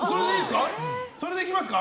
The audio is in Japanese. それでいきますか？